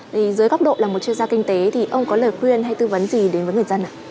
thì dưới góc độ là một chuyên gia kinh tế thì ông có lời khuyên hay tư vấn gì đến với người dân ạ